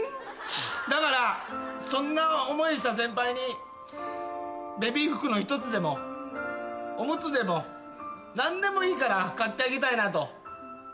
だからそんな思いした先輩にベビー服の１つでもおむつでも何でもいいから買ってあげたいなと。